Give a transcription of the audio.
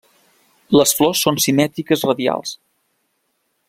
Les flors són simètriques radials.